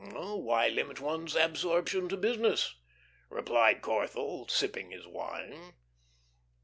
"Oh, why limit one's absorption to business?" replied Corthell, sipping his wine.